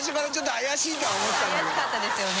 怪しかったですよね。